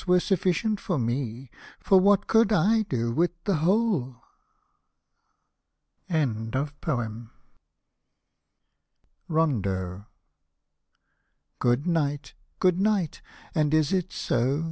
were sufficient for me ; For what could / do with the whole ? RONDEAU " Good night ! good night !"— And is it so